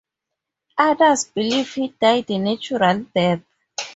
Others believe he died a natural death.